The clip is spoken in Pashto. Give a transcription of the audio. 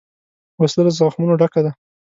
وسله له زخمونو ډکه ده